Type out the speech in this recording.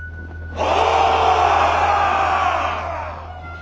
お！